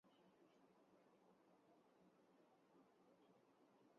کھانا پکانا تھا